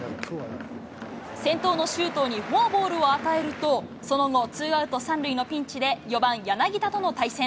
先頭の周東にフォアボールを与えると、その後、ツーアウト３塁のピンチで４番柳田との対戦。